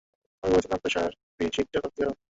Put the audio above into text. আমি বলেছিলাম, প্রেশারই শিপটার শক্তি বাড়াবে।